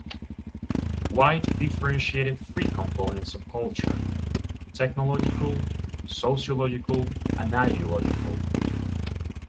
White differentiated three components of culture: technological, sociological, and ideological.